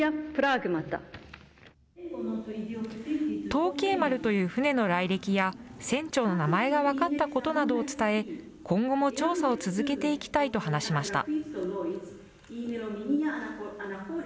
東慶丸という船の来歴や、船長の名前が分かったことなどを伝え、今後も調査を続けていきたいと話しました。